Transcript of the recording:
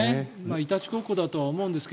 いたちごっこだと思うんですが。